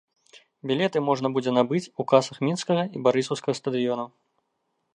Білеты можна будзе набыць у касах мінскага і барысаўскага стадыёнаў.